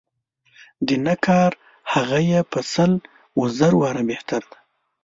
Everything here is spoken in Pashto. د نه کار هغه یې په سل و زر واره بهتر دی.